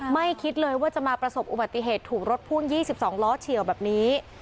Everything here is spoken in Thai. ไม่คิดเลยว่าจะมาประสบอุบัติเหตุถูกรถพ่วง๒๒ล้อเฉียวแบบนี้